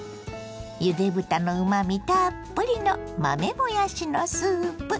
ゆで豚のうまみたっぷりの豆もやしのスープ。